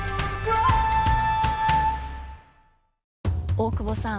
大久保さん